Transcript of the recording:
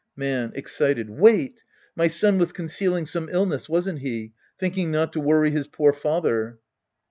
Man {excited). Wait. My son was concealing some illness, wasn't he ? Thinking not to wony his poor father.